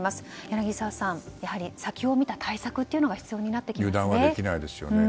柳澤さん、やはり先を見た対策が必要になってきますね。